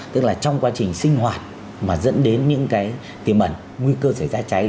tức là trong quá trình sinh hoạt mà dẫn đến những cái tiềm ẩn nguy cơ xảy ra cháy